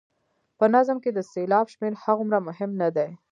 په نظم کې د سېلاب شمېر هغومره مهم نه دی.